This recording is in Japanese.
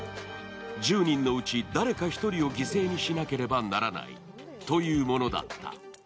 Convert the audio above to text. １０人のうち誰か１人を犠牲にしなければならないというものだった。